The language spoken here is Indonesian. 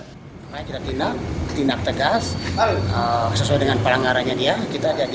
tidak tidak tegas sesuai dengan peranggarannya dia